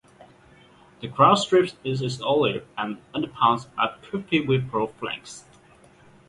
The crown strip is olive and the underparts are buffy with brown flanks.